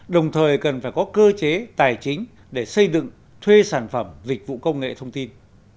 đồng thời cần phải có cơ chế tài chính để xây dựng thuê sản phẩm dịch vụ công nghệ thông tin